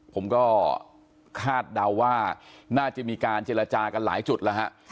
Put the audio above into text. ผมก็คาดเดาว่าน่าจะมีการเจรจากันหลายจุดแล้วฮะ